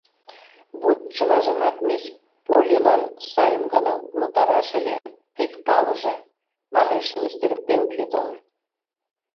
— Вот, чылажымат мисс Поллилан сайын гына умылтараш ыле... тек палыже, — манеш мистер Пендлетон.